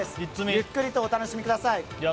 ゆっくりとお楽しみください。